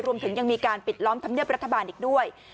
รวมถึงยังมีการปิดล้อมธรรมเนียบรัฐบาลอีกด้วย